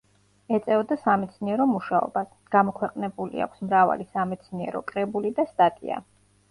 ეწეოდა სამეცნიერო მუშაობას, გამოქვეყნებული აქვს მრავალი სამეცნიერო კრებული და სტატია.